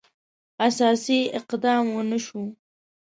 اساسي اقدام ونه شو.